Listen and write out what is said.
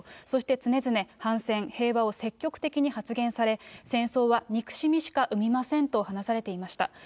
そして常々、反戦、平和を積極的に発言され、戦争は憎しみしか生みませんと話されていました。